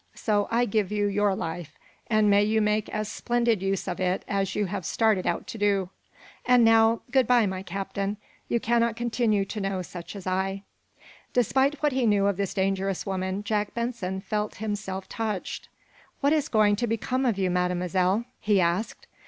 So I give you your life and may you make as splendid use of it as you have started out to do. And now, good bye, my Captain. You cannot continue to know such as I." Despite what he knew of this dangerous woman, Jack Benson felt himself touched. "What is going to become of you, Mademoiselle?" he asked.